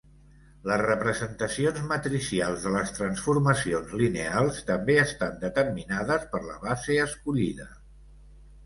Les representacions matricials de les transformacions lineals també estan determinades per la base escollida.